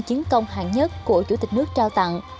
chiến công hạng nhất của chủ tịch nước trao tặng